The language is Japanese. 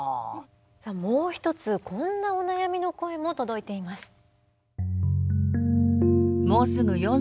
もう一つこんなお悩みの声も届いています。